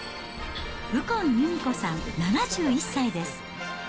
右近由美子さん７１歳です。